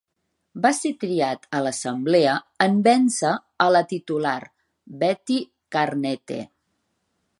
Va ser triat a l'Assemblea en vèncer a la titular Betty Karnette.